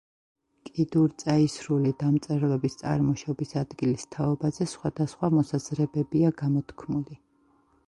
კიდურწაისრული დამწერლობის წარმოშობის ადგილის თაობაზე სხვადასხვა მოსაზრებებია გამოთქმული.